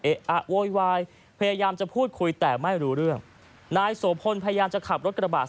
อ่ะโวยวายพยายามจะพูดคุยแต่ไม่รู้เรื่องนายโสพลพยายามจะขับรถกระบาด